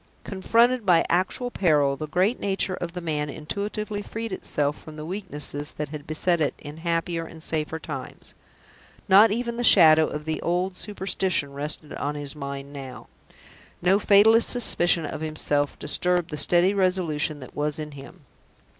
Confronted by actual peril, the great nature of the man intuitively freed itself from the weaknesses that had beset it in happier and safer times. Not even the shadow of the old superstition rested on his mind now no fatalist suspicion of himself disturbed the steady resolution that was in him.